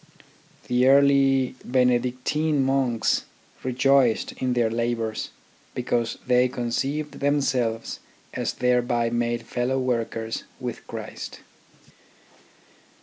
The early Benedictine monks rejoiced TECHNICAL EDUCATION 31 in their labours because they conceived themselves as thereby made fellow workers with Christ.